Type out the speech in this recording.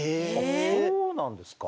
あっそうなんですか。